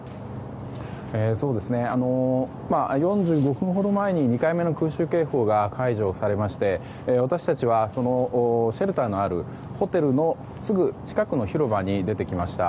４５分ほど前に２回目の空襲警報が解除されまして私たちはシェルターのあるホテルのすぐ近くの広場に出てきました。